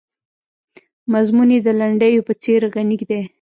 مضمون یې د لنډیو په څېر غني دی.